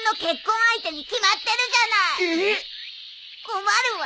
困るわ。